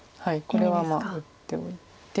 これは打っておいて。